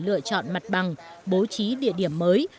lựa chọn mặt bằng bố trí địa điểm mới